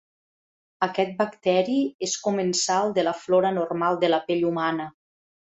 Aquest bacteri és comensal de la flora normal de la pell humana.